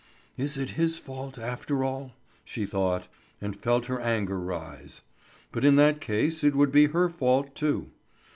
"Is it his fault after all?" she thought, and felt her anger rise. But in that case it would be her fault too.